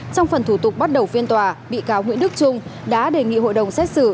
trong phần thủ tục bắt đầu phiên tòa bị cáo nguyễn đức trung đã đề nghị hội đồng xét xử